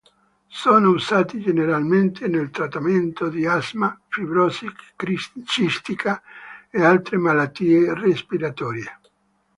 Sono usati generalmente nel trattamento di asma, fibrosi cistica e altre malattie respiratorie.